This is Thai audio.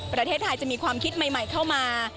ประเทศไทยจะมีความคิดใหม่เข้ามา